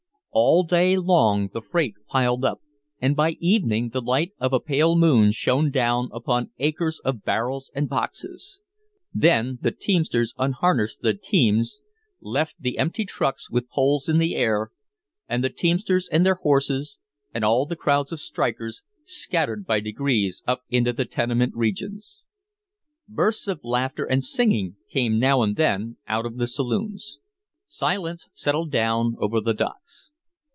All day long the freight piled up, and by evening the light of a pale moon shone down upon acres of barrels and boxes. Then the teamsters unharnessed their teams, left the empty trucks with poles in air, and the teamsters and their horses and all the crowds of strikers scattered by degrees up into the tenement regions. Bursts of laughter and singing came now and then out of the saloons. Silence settled down over the docks.